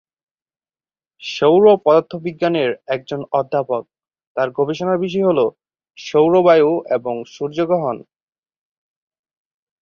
সৌর পদার্থবিজ্ঞানের একজন অধ্যাপক, তার গবেষণার বিষয় হল সৌর বায়ু এবং সূর্যগ্রহণ।